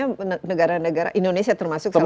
contohnya negara negara indonesia termasuk indonesia